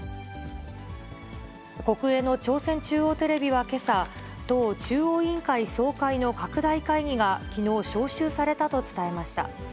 国営の朝鮮中央テレビはけさ、党中央委員会総会の拡大会議がきのう、招集されたと伝えました。